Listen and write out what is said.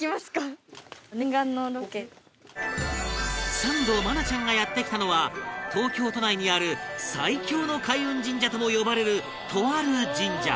サンド愛菜ちゃんがやって来たのは東京都内にある最強の開運神社とも呼ばれるとある神社